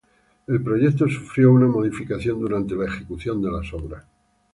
El proyecto sufrió una modificación durante la ejecución de las obras.